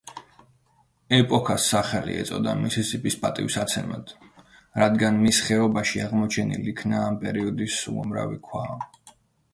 ეპოქას სახელი ეწოდა მისისიპის პატივსაცემად, რადგან მის ხეობაში აღმოჩენილი იქნა ამ პერიოდის უამრავი ქვა.